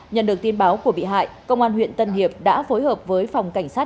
nhận được tin báo của bị hại công an huyện tân hiệp đã phối hợp với phòng cảnh sát